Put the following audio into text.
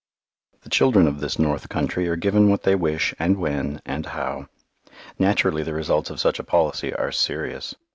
The children of this North Country are given what they wish and when and how. Naturally the results of such a policy are serious.